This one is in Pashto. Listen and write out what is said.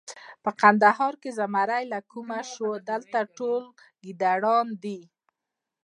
په کندهار کې زمری له کومه شو! دلته ټول ګیدړان دي.